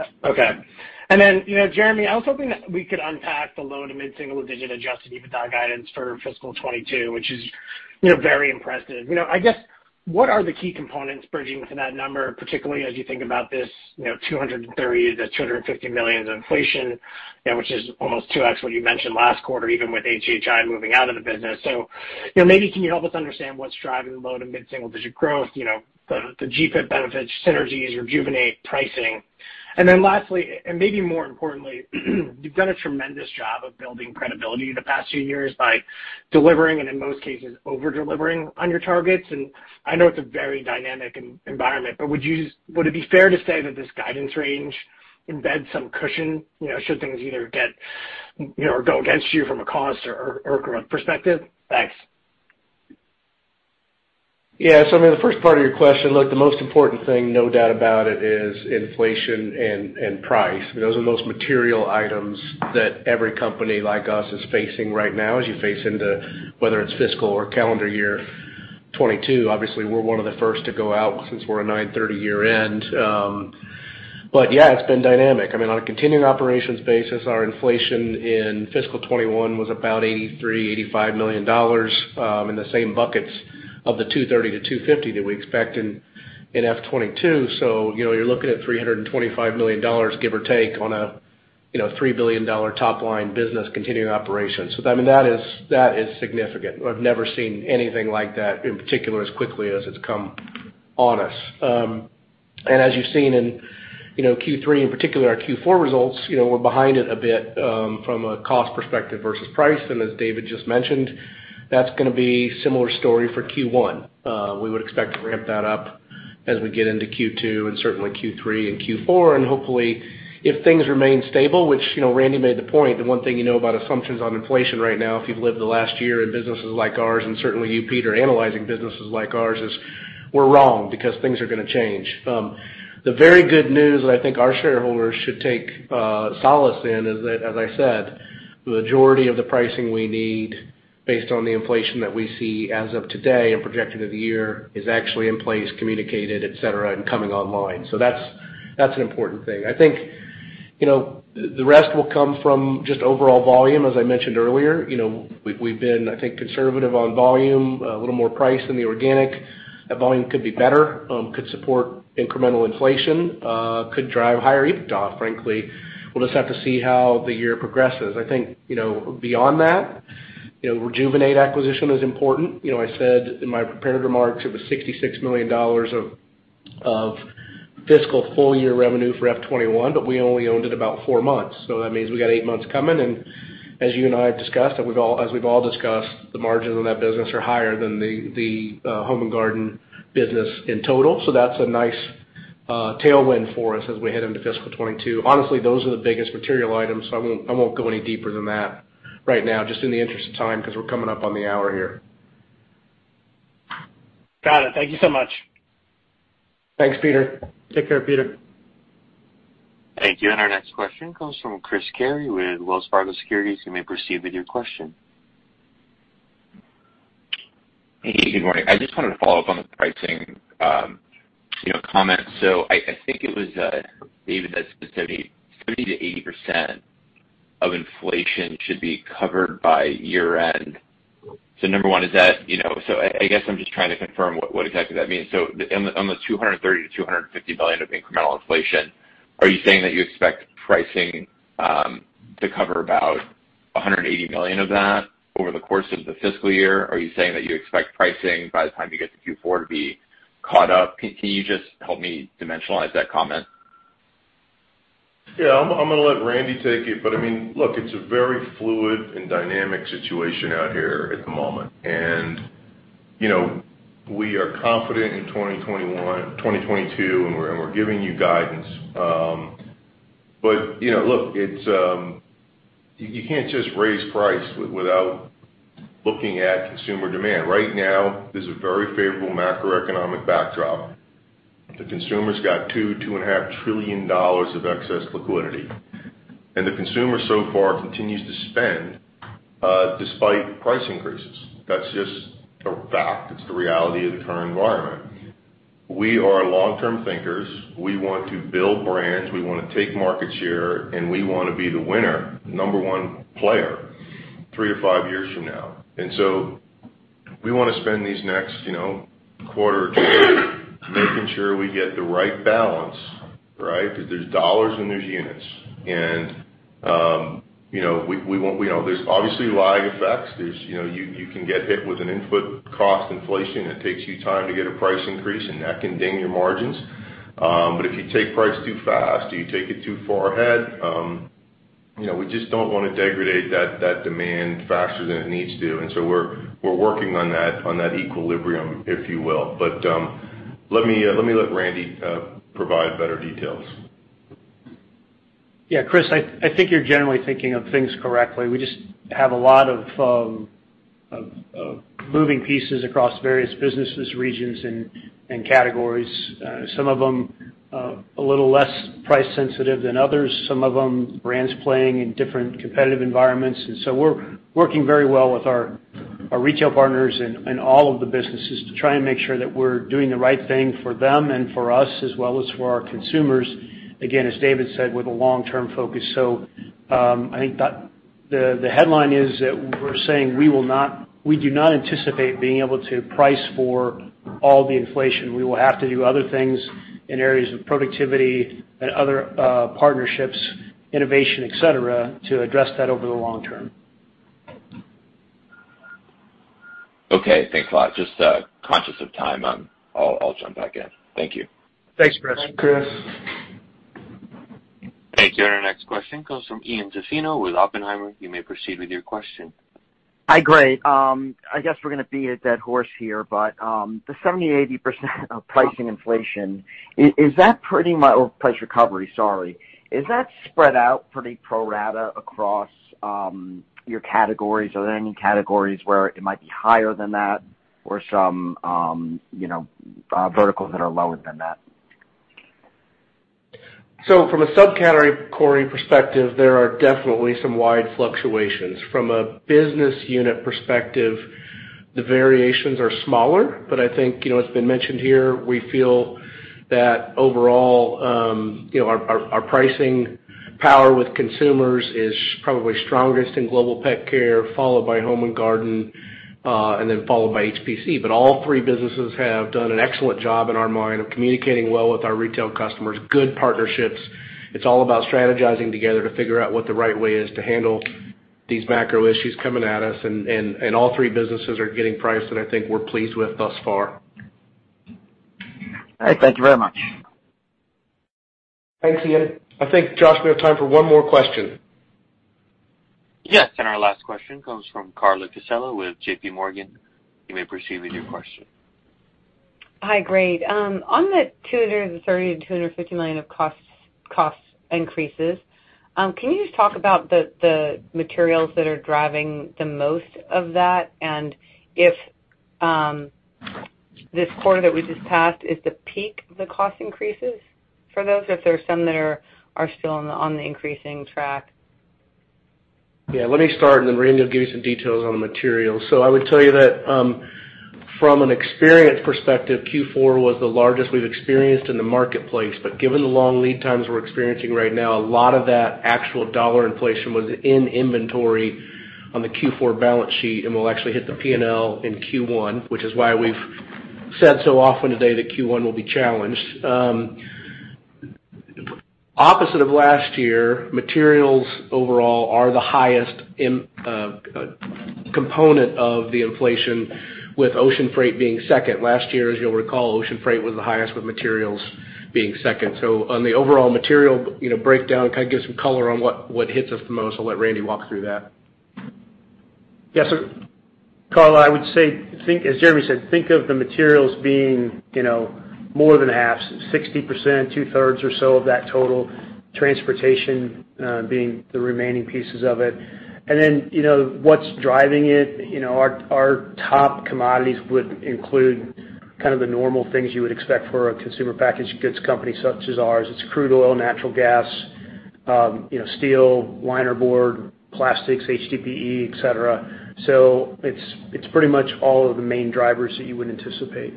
you. Okay. You know, Jeremy, I was hoping that we could unpack the low- to mid-single digit Adjusted EBITDA guidance for fiscal 2022, which is, you know, very impressive. You know, I guess, what are the key components bridging to that number, particularly as you think about this, you know, $230 million-$250 million of inflation, you know, which is almost 2x what you mentioned last quarter, even with HHI moving out of the business. You know, maybe can you help us understand what's driving low- to mid-single digit growth? You know, the GPIP benefits, synergies, Rejuvenate pricing. Lastly, and maybe more importantly, you've done a tremendous job of building credibility the past few years by delivering and, in most cases, over-delivering on your targets. I know it's a very dynamic environment, but would it be fair to say that this guidance range embeds some cushion, you know, should things either get, you know, or go against you from a cost or growth perspective? Thanks. Yeah. I mean, the first part of your question, look, the most important thing, no doubt about it, is inflation and price. Those are the most material items that every company like us is facing right now as you face into whether it's fiscal or calendar year 2022. Obviously, we're one of the first to go out since we're a 9/30 year-end. Yeah, it's been dynamic. I mean, on a continuing operations basis, our inflation in fiscal 2021 was about $83-$85 million in the same buckets of the $230-$250 that we expect in fiscal 2022. You know, you're looking at $325 million, give or take, on a $3 billion top-line business continuing operations. I mean, that is significant. I've never seen anything like that, in particular, as quickly as it's come on us. As you've seen in, you know, Q3, in particular our Q4 results, you know, we're behind it a bit, from a cost perspective versus price. As David just mentioned, that's gonna be similar story for Q1. We would expect to ramp that up as we get into Q2 and certainly Q3 and Q4. Hopefully, if things remain stable, which, you know, Randy made the point, the one thing you know about assumptions on inflation right now, if you've lived the last year in businesses like ours, and certainly you, Peter, analyzing businesses like ours, is we're wrong because things are gonna change. The very good news that I think our shareholders should take solace in is that, as I said, the majority of the pricing we need based on the inflation that we see as of today and projected of the year is actually in place, communicated, et cetera, and coming online. That's an important thing. I think, you know, the rest will come from just overall volume, as I mentioned earlier. You know, we've been, I think, conservative on volume, a little more price than the organic. That volume could be better, could support incremental inflation, could drive higher EBITDA, frankly. We'll just have to see how the year progresses. I think, you know, beyond that. You know, Rejuvenate acquisition is important. You know, I said in my prepared remarks it was $66 million of fiscal full year revenue for FY 2021, but we only owned it about four months. That means we got eight months coming. As you and I have discussed, as we've all discussed, the margins on that business are higher than the Home and Garden business in total. That's a nice tailwind for us as we head into fiscal 2022. Honestly, those are the biggest material items, so I won't go any deeper than that right now, just in the interest of time, 'cause we're coming up on the hour here. Got it. Thank you so much. Thanks, Peter. Take care, Peter. Thank you. Our next question comes from Chris Carey with Wells Fargo Securities. You may proceed with your question. Hey, good morning. I just wanted to follow up on the pricing, you know, comments. I think it was David that said 70%-80% of inflation should be covered by year-end. Number one, is that, you know. I guess I'm just trying to confirm what exactly that means. On the $230 million-$250 million of incremental inflation, are you saying that you expect pricing to cover about $180 million of that over the course of the fiscal year? Are you saying that you expect pricing by the time you get to Q4 to be caught up? Can you just help me dimensionalize that comment? Yeah. I'm gonna let Randy take it. I mean, look, it's a very fluid and dynamic situation out here at the moment. You know, we are confident in 2022, and we're giving you guidance. You know, look, it's, you can't just raise price without looking at consumer demand. Right now there's a very favorable macroeconomic backdrop. The consumer's got $2.5 trillion of excess liquidity. The consumer so far continues to spend despite price increases. That's just a fact. It's the reality of the current environment. We are long-term thinkers. We want to build brands, we wanna take market share, and we wanna be the winner, number one player three to five years from now. We wanna spend these next, you know, quarter or two making sure we get the right balance, right? 'Cause there's dollars and there's units. You know, we know there's obviously lag effects. There's you know, you can get hit with an input cost inflation that takes you time to get a price increase, and that can ding your margins. If you take price too fast or you take it too far ahead, you know, we just don't wanna degrade that demand faster than it needs to. We're working on that equilibrium, if you will. Let Randy provide better details. Yeah. Chris, I think you're generally thinking of things correctly. We just have a lot of moving pieces across various businesses, regions, and categories. Some of them a little less price sensitive than others, some of them brands playing in different competitive environments. We're working very well with our retail partners and all of the businesses to try and make sure that we're doing the right thing for them and for us, as well as for our consumers, again, as David said, with a long-term focus. I think that the headline is that we're saying we do not anticipate being able to price for all the inflation. We will have to do other things in areas of productivity and other partnerships, innovation, et cetera, to address that over the long term. Okay. Thanks a lot. Just conscious of time. I'll jump back in. Thank you. Thanks, Chris. Thanks, Chris. Thank you. Our next question comes from Ian Zaffino with Oppenheimer. You may proceed with your question. Hi, great. I guess we're gonna beat a dead horse here, but the 70%-80% of pricing inflation, is that pretty much or price recovery, sorry. Is that spread out pretty pro rata across your categories? Are there any categories where it might be higher than that or some you know verticals that are lower than that? From a subcategory perspective, there are definitely some wide fluctuations. From a business unit perspective, the variations are smaller, but I think, you know, it's been mentioned here, we feel that overall, you know, our pricing power with consumers is probably strongest in Global Pet Care, followed by Home and Garden, and then followed by HPC. All three businesses have done an excellent job in our mind of communicating well with our retail customers, good partnerships. It's all about strategizing together to figure out what the right way is to handle these macro issues coming at us. All three businesses are getting prices that I think we're pleased with thus far. All right. Thank you very much. Thanks, Ian. I think, Josh, we have time for one more question. Yes. Our last question comes from Carla Casella with JPMorgan. You may proceed with your question. Hi, great. On the $230 million-$250 million of costs increases, can you just talk about the materials that are driving the most of that and if this quarter that we just passed is the peak of the cost increases for those, if there's some that are still on the increasing track? Yeah. Let me start, and then Randy will give you some details on the materials. I would tell you that, from an experience perspective, Q4 was the largest we've experienced in the marketplace. Given the long lead times we're experiencing right now, a lot of that actual dollar inflation was in inventory on the Q4 balance sheet and will actually hit the P&L in Q1, which is why we've said so often today that Q1 will be challenged. Opposite of last year, materials overall are the highest in component of the inflation with ocean freight being second. Last year, as you'll recall, ocean freight was the highest, with materials being second. On the overall material, you know, breakdown, kind of give some color on what hits us the most. I'll let Randy walk through that. Carla, I would say, as Jeremy said, think of the materials being, you know, more than half, 60%, 2/3 Or so of that total transportation being the remaining pieces of it. What's driving it, you know, our top commodities would include kind of the normal things you would expect for a consumer packaged goods company such as ours. It's crude oil, natural gas, you know, steel, liner board, plastics, HDPE, et cetera. It's pretty much all of the main drivers that you would anticipate.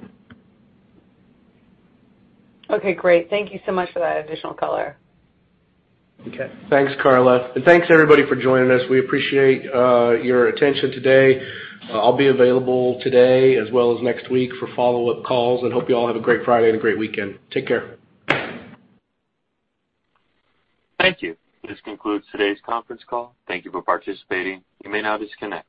Okay, great. Thank you so much for that additional color. Okay. Thanks, Carla. Thanks, everybody, for joining us. We appreciate your attention today. I'll be available today as well as next week for follow-up calls, and hope you all have a great Friday and a great weekend. Take care. Thank you. This concludes today's conference call. Thank you for participating. You may now disconnect.